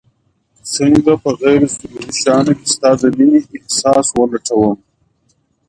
څنګه په غير ضروري شيانو کي ستا د مينې احساس ولټوم